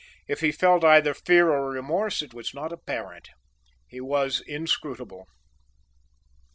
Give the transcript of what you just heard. If he felt either fear or remorse it was not apparent. He was inscrutable.